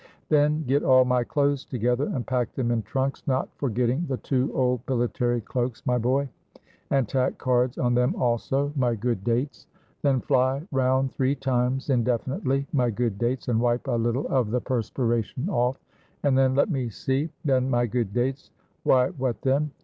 Then get all my clothes together, and pack them in trunks (not forgetting the two old military cloaks, my boy), and tack cards on them also, my good Dates. Then fly round three times indefinitely, my good Dates, and wipe a little of the perspiration off. And then let me see then, my good Dates why what then?